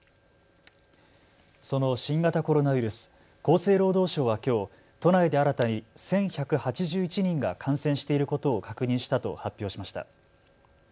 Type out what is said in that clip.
その新型コロナウイルス、厚生労働省はきょう都内で新たに１１８１人が感染していることを確認したと発表しました。